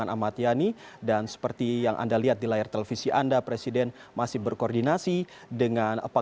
amat yani labuan banten